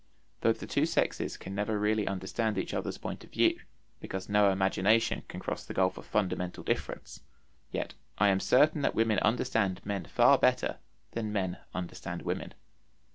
Though the two sexes can never really understand each other's point of view, because no imagination can cross the gulf of fundamental difference, yet I am certain that women understand men far better than men understand women.